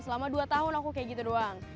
selama dua tahun aku kayak gitu doang